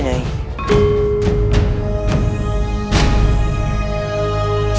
tidak tidak tidak